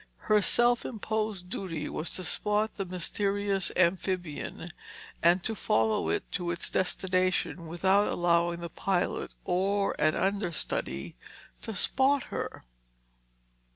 Her self imposed duty was to spot the mysterious amphibian and to follow it to its destination without allowing the pilot or an understudy to spot her.